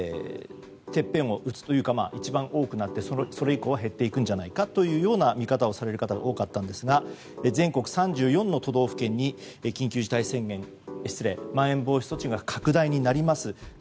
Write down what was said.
てっぺんを打つというか一番多くなってそれ以降は減っていくんじゃないかという見方をされる方が多かったんですが全国３４の都道府県にまん延防止措置が拡大になります。